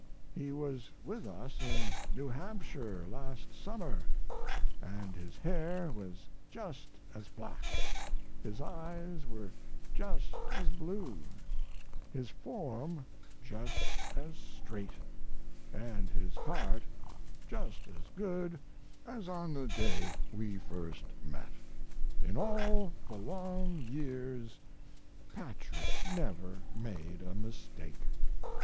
He was with us in New Hampshire last summer, and his hair was just as black, his eyes were just as blue, his form just as straight, and his heart just as good as on the day we first met. In all the long years Patrick never made a mistake.